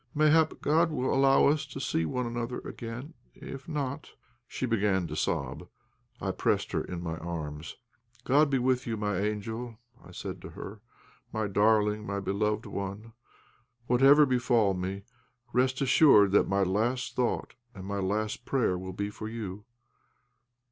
Mayhap God will allow us to see one another again, if not " She began to sob. I pressed her in my arms. "God be with you, my angel," I said to her. "My darling, my loved one, whatever befall me, rest assured that my last thought and my last prayer will be for you."